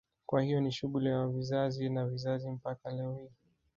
Kwa hiyo ni shughuli ya vizazi na vizazi mpaka leo hii